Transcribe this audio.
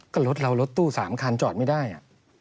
ก็รถเรารถตู้๓คันจอดไม่ได้อ่ะ